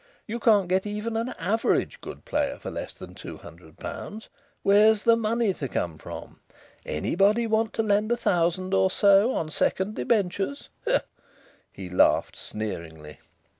You can't get even an average good player for less than £200. Where's the money to come from? Anybody want to lend a thousand or so on second debentures?" He laughed sneeringly.